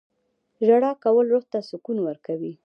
• ژړا کول روح ته سکون ورکوي.